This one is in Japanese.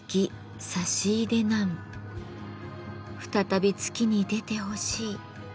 再び月に出てほしい。